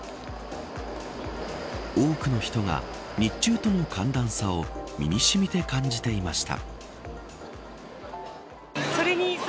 多くの人が日中との寒暖差を身にしみて感じていました。